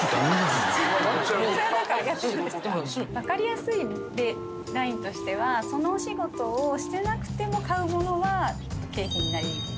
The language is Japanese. わかりやすいラインとしてはそのお仕事をしてなくても買うものは経費になりにくい。